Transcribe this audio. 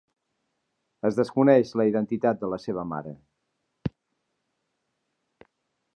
Es desconeix la identitat de la seva mare.